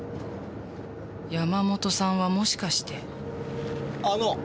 山本さんはもしかしてあの。